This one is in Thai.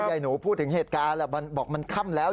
ยายหนูพูดถึงเหตุการณ์บอกมันค่ำแล้ว